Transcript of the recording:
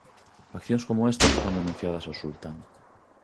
Accións como estas foron denunciadas ao sultán.